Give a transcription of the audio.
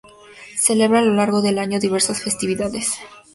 Celebra a lo largo del año diversas festividades.